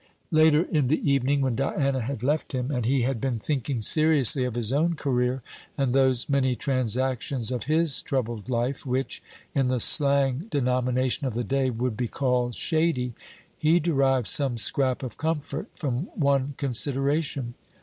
Later in the evening, when Diana had left him, and he had been thinking seriously of his own career, and those many transactions of his troubled life which, in the slang denomination of the day, would be called "shady," he derived some scrap of comfort from one consideration.